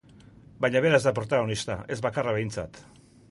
Baina bera ez da protagonista, ez bakarra behintzat.